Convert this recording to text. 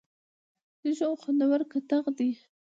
لیړو خوندور کتغ دی.